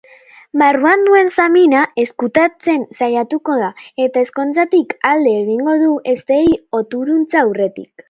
Barruan duen samina ezkutatzen saiatuko da eta ezkontzatik alde egingo du eztei-oturuntza aurretik.